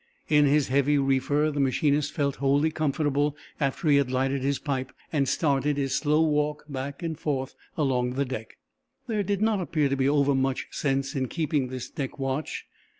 In his heavy reefer the machinist felt wholly comfortable after he had lighted his pipe and started his slow walk back and forth along the deck. There did not appear to be overmuch sense in keeping this deck watch.